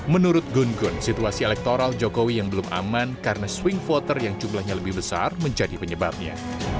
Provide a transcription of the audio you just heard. menurut gun gun situasi elektoral jokowi yang belum aman karena swing voter yang jumlahnya lebih besar menjadi penyebabnya